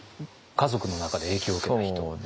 家族の中で影響を受けた人。